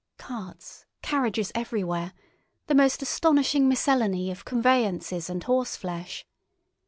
Carts, carriages everywhere, the most astonishing miscellany of conveyances and horseflesh.